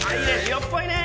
色っぽいね。